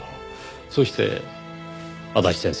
そして足立先生